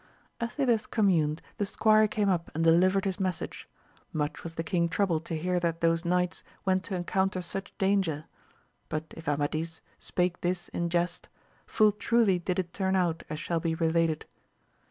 As they thus communed the squire came up and delivered his message : much was the king troubled to hear that those knights went to encounter such danger ; but if Amadis spake this in jest, full truly did it turn out, as shall be related.